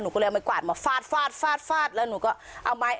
ก็เลยเอาไม้กวาดมาฟาดฟาดฟาดฟาดแล้วหนูก็เอาไม้